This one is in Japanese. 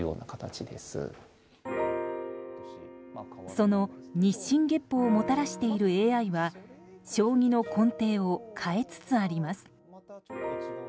その日進月歩をもたらしているＡＩは将棋の根底を変えつつあります。